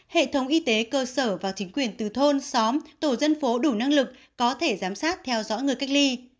hệ thống y tế cơ sở và chính quyền từ thôn xóm tổ dân phố đủ năng lực có thể giám sát theo dõi người cách ly